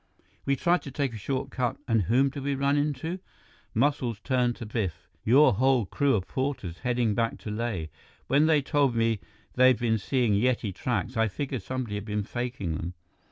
"We tried to take a short cut and whom did we run into?" Muscles turned to Biff. "Your whole crew of porters, heading back to Leh. When they told me they'd been seeing Yeti tracks, I figured somebody had been faking them."